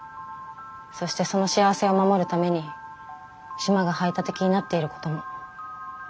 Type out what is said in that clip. そしてその幸せを守るために島が排他的になっていることも。